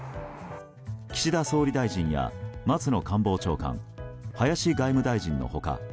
岸田総理大臣や松野官房長官林外務大臣の他